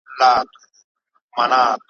یخ یې ووتی له زړه او له بدنه `